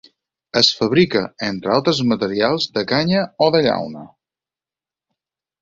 Es fabrica, entre altres materials, de canya o de llauna.